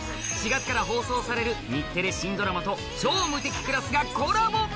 ４月から放送される日テレ新ドラマと『超無敵クラス』がコラボ！